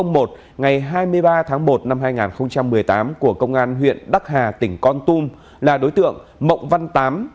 ngày hai mươi ba tháng một năm hai nghìn một mươi tám của công an huyện đắc hà tỉnh con tum là đối tượng mộng văn tám